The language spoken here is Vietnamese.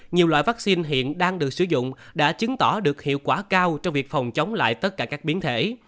nhiều loại vaccine hiện đang được sử dụng đã chứng tỏ được hiệu quả cao trong việc phòng chống lại tất cả các biến thể